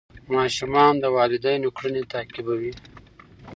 ماشومان د والدینو کړنې تعقیبوي.